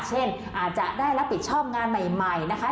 อาจจะได้รับผิดชอบงานใหม่นะคะ